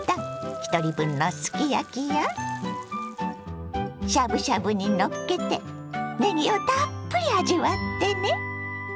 ひとり分のすき焼きやしゃぶしゃぶにのっけてねぎをたっぷり味わってね！